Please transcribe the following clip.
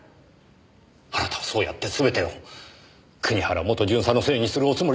あなたはそうやって全てを国原元巡査のせいにするおつもりですか？